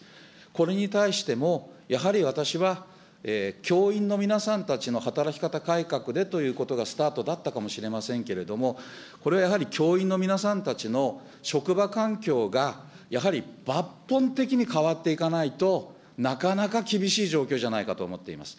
これに対しても、やはり私は、教員の皆さんたちの働き方改革でということがスタートだったかもしれませんけれども、これはやはり教員の皆さんたちの職場環境がやはり抜本的に変わっていかないと、なかなか厳しい状況じゃないかと思っています。